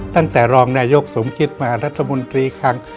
ตั้งแต่รองนายกสูงคิดมารัฐมนตรีครั้ง